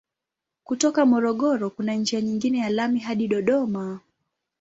Kutoka Morogoro kuna njia nyingine ya lami hadi Dodoma.